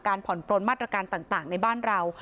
ผ่อนปลนมาตรการต่างในบ้านเรา